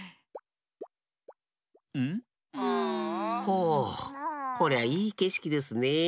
ほうこりゃいいけしきですねえ。